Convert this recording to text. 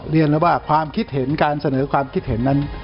เรียนแล้วว่าความคิดเห็นการเสนอความคิดเห็นนั้น